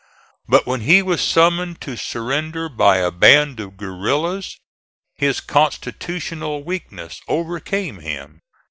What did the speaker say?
But when he was summoned to surrender by a band of guerillas, his constitutional weakness overcame him.